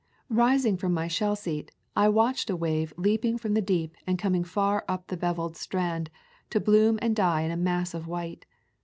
Rising from my shell seat, I watched a wave leaping from the deep and coming far up the beveled strand to bloom and die in a mass of white.